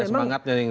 ada semangatnya yang